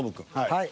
はい。